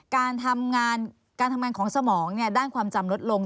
การทำงานของสมองด้านความจำลดลง